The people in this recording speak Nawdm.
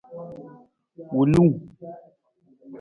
Wulung.